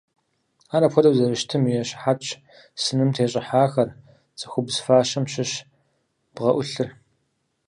Ар апхуэдэу зэрыщытым и щыхьэтщ сыным тещӀыхьахэр – цӀыхубз фащэм щыщ бгъэӀулъыр.